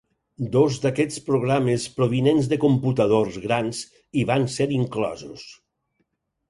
Dos d'aquests programes provinents de computadors grans hi van ser inclosos.